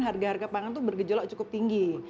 harga harga pangan itu bergejolak cukup tinggi